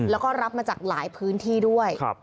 แล้วก็รับมาจากหลายพื้นที่ด้วย